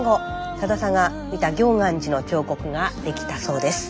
さださんが見た行元寺の彫刻ができたそうです。